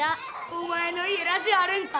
お前の家ラジオあるんか。